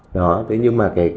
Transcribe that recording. đó thế nhưng mà cái